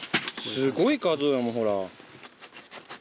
すごい数やもんほら。